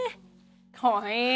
かわいい。